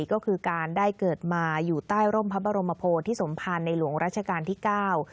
ก็คือการได้เกิดมาอยู่ใต้ร่มพระบรมโพธิสมภารในหลวงราชการที่เก้า